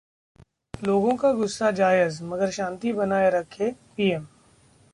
लोगों का गुस्सा जायज़, मगर शांति बनाए रखें: पीएम